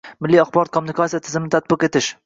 milliy axborot-kommunikatsiya tizimini tatbiq etish